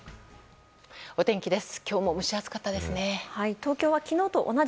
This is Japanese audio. お天気です。